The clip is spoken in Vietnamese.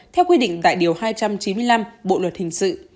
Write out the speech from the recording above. theo quy định tại điều hai trăm chín mươi năm bộ luật hình sự